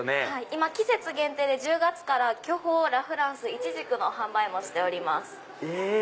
今季節限定で１０月から巨峰ラフランス無花果の販売もしております。